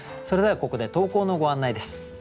それではここで投稿のご案内です。